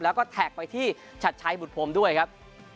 แล้วก็แท็กไปที่ชัดชัยบุตรพรมด้วยครับ